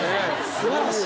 素晴らしい